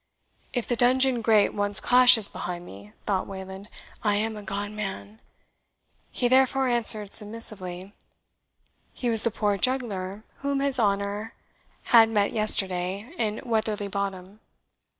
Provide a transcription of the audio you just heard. "If the dungeon grate once clashes behind me," thought Wayland, "I am a gone man." He therefore answered submissively, "He was the poor juggler whom his honour had met yesterday in Weatherly Bottom."